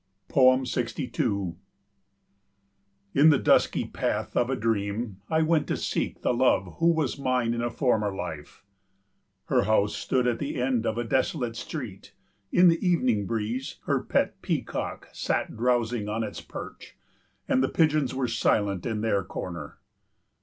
62 In the dusky path of a dream I went to seek the love who was mine in a former life. Her house stood at the end of a desolate street. In the evening breeze her pet peacock sat drowsing on its perch, and the pigeons were silent in their corner.